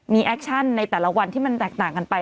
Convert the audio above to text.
มีแอคชั่นในแต่ละวันที่มันแตกต่างกันไป